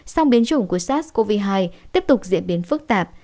song biến chủng của sars cov hai tiếp tục diễn biến phức tạp